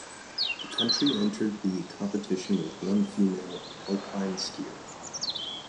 The country entered the competition with one female alpine skier.